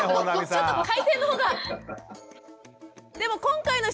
ちょっと回線のほうが。